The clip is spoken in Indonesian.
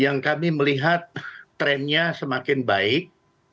yang kami melihat trennya semakin baik